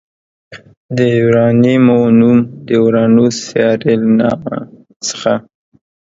د یوارنیمو نوم د اورانوس سیارې له نامه څخه